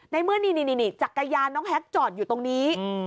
ในเมื่อนี่จักรยานน้องแฮกจอดอยู่ตรงนี้